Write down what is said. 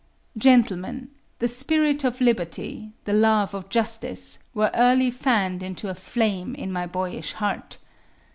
Gentlemen, the Spirit of Liberty, the Love of Justice, were early fanned into a flame in my boyish heart.